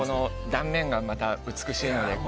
断面がまた美しいので。